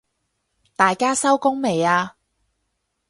大家收工未啊？